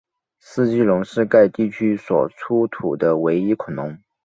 斯基龙是该地区所出土的唯一恐龙。